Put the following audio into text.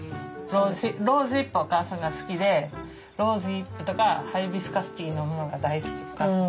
ローズヒップお母さんが好きでローズヒップとかハイビスカスティー飲むのが大好きお母さん。